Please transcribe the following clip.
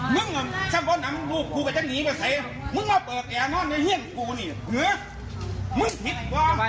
มึงช่างพ่อนำลูกกู้ก็จะหนีไปใส่